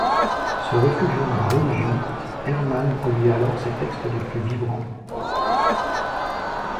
Se réfugiant dans la religion, Heermann produit alors ses textes les plus vibrants.